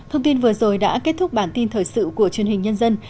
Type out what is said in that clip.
thông tin vừa rồi đã kết thúc bản tin thời sự của truyền hình nhân dân